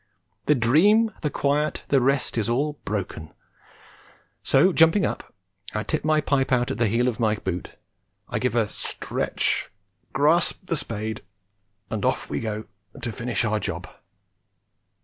The dream, the quiet, the rest is all broken, so, jumping up, I tip my pipe out on the heel of my boot, give a stretch, grasp the spade, and off we go to finish our job.